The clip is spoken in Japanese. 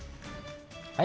はい。